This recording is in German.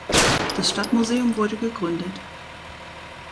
Das Stadtmuseum wurde gegründet.